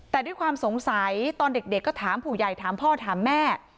แต่ด้วยความสงสัยตอนเด็กก็ถามผู้ใหญ่ถามพ่อถามแม่